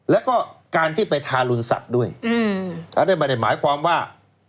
แล้วก็การที่ไปทารุณสัตว์ด้วยแล้วได้บรรยายหมายความว่า